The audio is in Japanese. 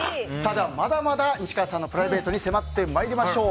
まだまだ西川さんのプライベートに迫ってまいりましょう。